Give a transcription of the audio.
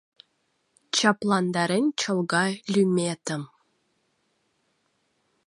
Чапландарен чолга лӱметым